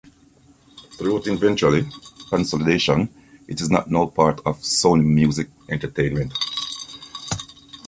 Through eventual consolidation, it is now part of Sony Music Entertainment.